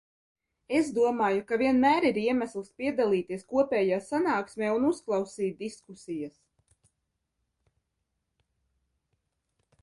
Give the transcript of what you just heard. Es domāju, ka vienmēr ir iemesls piedalīties kopējā sanāksmē un uzklausīt diskusijas.